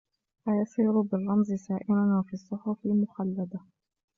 فَيَصِيرُ بِالرَّمْزِ سَائِرًا وَفِي الصُّحُفِ مُخَلَّدًا